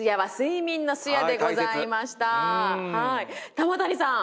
玉谷さん